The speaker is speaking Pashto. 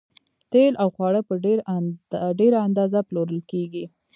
تیل او خواړه په ډیره اندازه پلورل کیږي